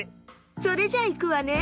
それじゃいくわね。